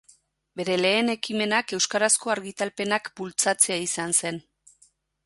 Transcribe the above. Bere lehen ekimenak euskarazko argitalpenak bultzatzea izan zen.